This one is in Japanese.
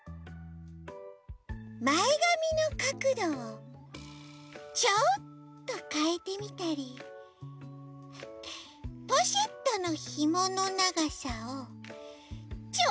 まえがみのかくどをちょっとかえてみたりポシェットのひものながさをちょっとかえてみたり。